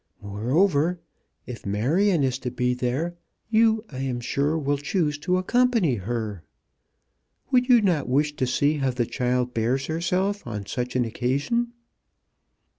Moreover, if Marion is to be there, you, I am sure, will choose to accompany her. Would you not wish to see how the child bears herself on such an occasion?"